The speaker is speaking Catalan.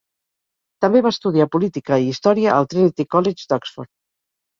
També va estudiar política i història al Trinity College d'Oxford.